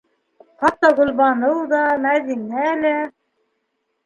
Хатта Гөлбаныу ҙа, Мәҙинә лә...